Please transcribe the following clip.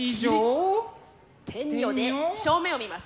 「天女」で正面を見ます。